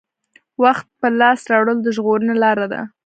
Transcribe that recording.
وخت په لاس راوړل د ژغورنې لاره ده.